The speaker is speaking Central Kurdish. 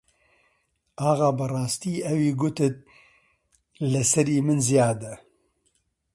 ئاغا بەڕاستی ئەوی گوتت لە سەری من زیادە